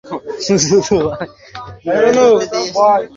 ডান পায়ের জুতোটা একটু উঁচু লোকটার।